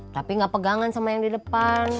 tapi gak pegangan sama yang di depan